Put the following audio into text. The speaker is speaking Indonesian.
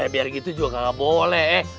biar gitu juga gak boleh